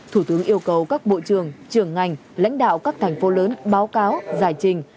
thủ tướng yêu cầu các bộ trường trường ngành lãnh đạo các thành phố lớn báo cáo giải trình